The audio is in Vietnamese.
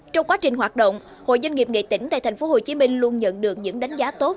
trong quá trình hoạt động hội doanh nghiệp nghệ tỉnh tại tp hcm luôn nhận được những đánh giá tốt